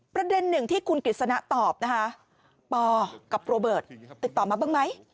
ประเด็นหนึ่งที่คุณกฤษณะตอบนะคะปอกับโรเบิร์ตติดต่อมาบ้างไหม